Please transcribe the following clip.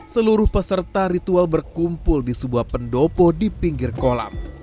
seluruh peserta ritual berkumpul di sebuah pendopo di pinggir kolam